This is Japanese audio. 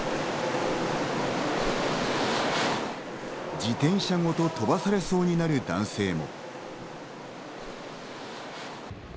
自転車ごと飛ばされそうになる男性も。